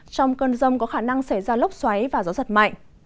trong cơn rông có khả năng xảy ra lốc xoáy và gió giật mạnh